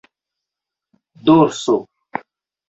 dorso